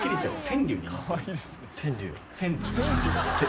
川柳。